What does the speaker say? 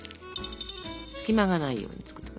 隙間がないように作ってください。